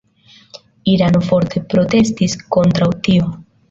Irano forte protestis kontraŭ tio.